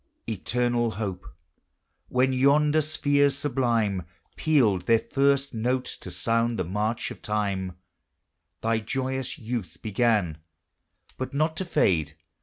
.»•»• Eternal Hope ! when yonder spheres sublime Pealed their first notes to sound the march of Time, Thy joyous youth began, — but not to fade.